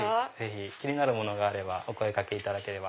気になるものがあればお声掛けいただければ。